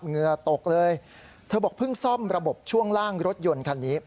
เหงื่อตกเลยเธอบอกเพิ่งซ่อมระบบช่วงล่างรถยนต์คันนี้